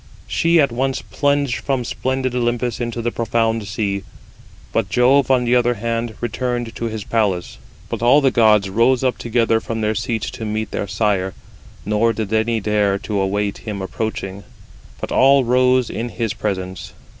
She at once plunged from splendid Olympus into the profound sea. But Jove on the other hand [returned] to his palace. But all the gods rose up together from their seats to meet their sire; nor did any dare to await 59 him approaching, but all rose in his presence.